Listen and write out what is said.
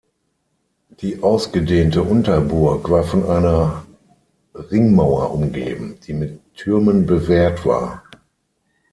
Die ausgedehnte Unterburg war von einer Ringmauer umgeben, die mit Türmen bewehrt war.